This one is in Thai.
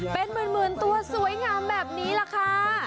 เป็นหมื่นตัวสวยงามแบบนี้ล่ะค่ะ